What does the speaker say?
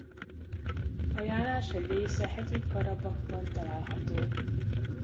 A járás egy része Hegyi-Karabahban található.